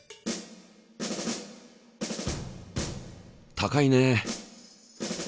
高いね。